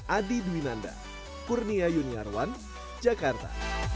adi dwi nanda kurnia yuniarwan jakarta